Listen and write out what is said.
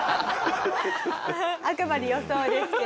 あくまで予想ですけれども。